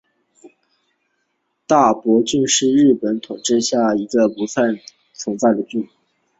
大泊郡是日本统治下的桦太厅的一个已不存在的郡。